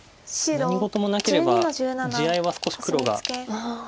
何事もなければ地合いは少し黒が。